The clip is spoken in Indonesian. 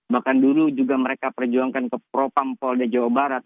bahkan dulu juga mereka perjuangkan ke pro pampol dari jawa barat